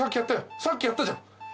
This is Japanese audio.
さっきやったじゃん２０。